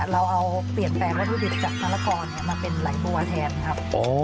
เราเอาเปลี่ยนแปลงวัตถุดิบจากมะละกอมาเป็นหลายตัวแทนครับ